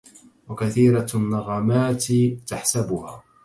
وكثيرة النغمات تحسبها